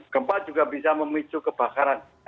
gempa juga bisa memicu kebakaran